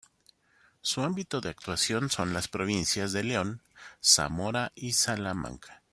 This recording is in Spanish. Su ámbito de actuación son las provincias de León, Zamora y Salamanca.